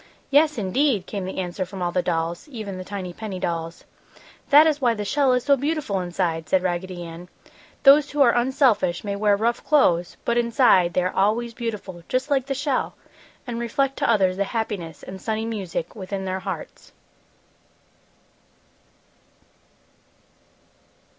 "Yes, indeed!" came the answer from all the dolls, even the tiny penny dolls. "That is why the shell is so beautiful inside!" said Raggedy Ann. "Those who are unselfish may wear rough clothes, but inside they are always beautiful, just like the shell, and reflect to others the happiness and sunny music within their hearts!"